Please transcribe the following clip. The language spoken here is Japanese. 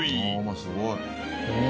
すごい。